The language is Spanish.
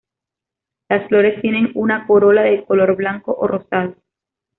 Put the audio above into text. Las flores tienen una corola de color blanco o rosado.